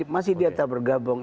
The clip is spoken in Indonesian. masih dia tak bergabung